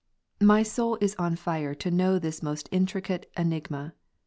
My soul is on fire to know this most intricate ^•^^ enigma.